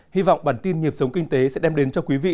hy vọng bản tin nhịp sống kinh tế sẽ đem đến cho quý vị